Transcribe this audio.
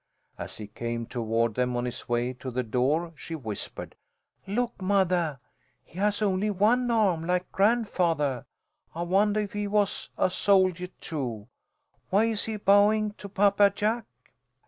As he came toward them on his way to the door, she whispered, "Look, mothah! He has only one arm, like grandfathah. I wondah if he was a soldiah, too. Why is he bowing to Papa Jack?"